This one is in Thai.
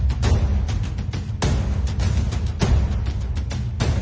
ตอนนี้ก็ไม่รู้ว่าจะมีใครอยู่ข้างหลัง